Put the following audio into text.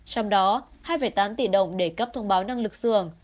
trong đó hai tám tỷ đồng để cấp thông báo năng lực xưởng